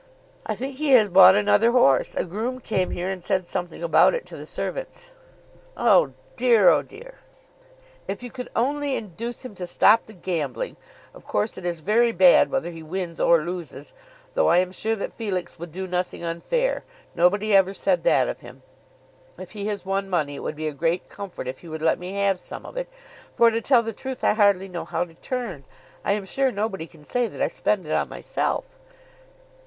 I think he has bought another horse. A groom came here and said something about it to the servants." "Oh dear; oh dear!" "If you could only induce him to stop the gambling! Of course it is very bad whether he wins or loses, though I am sure that Felix would do nothing unfair. Nobody ever said that of him. If he has won money, it would be a great comfort if he would let me have some of it, for, to tell the truth, I hardly know how to turn. I am sure nobody can say that I spend it on myself."